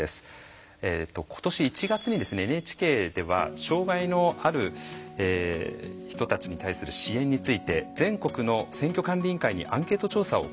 えっと今年１月にですねＮＨＫでは障害のある人たちに対する支援について全国の選挙管理委員会にアンケート調査を行いました。